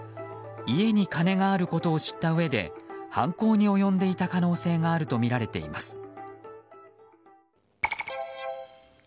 家に金があることを知ったうえで犯行に及んでいた可能性があるとみられています。